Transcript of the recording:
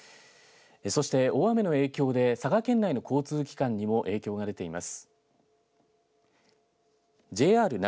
そして大雨の影響で佐賀県内の交通機関にも影響が出ています。